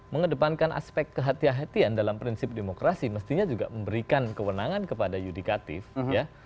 mengedepankan aspek kehatian kehatian dalam prinsip demokrasi mestinya juga memberikan kewenangan kepada yudikatif ya